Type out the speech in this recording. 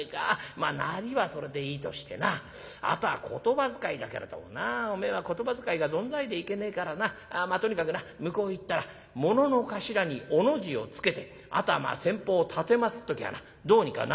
まあなりはそれでいいとしてなあとは言葉遣いだけれどもなおめえは言葉遣いがぞんざいでいけねえからなとにかくな向こう行ったらものの頭に『お』の字をつけてあとはまあ先方を奉っておきゃあなどうにかなるから」。